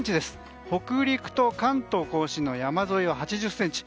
北陸と関東・甲信の山沿いで８０ｃｍ。